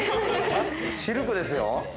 でもシルクですよ。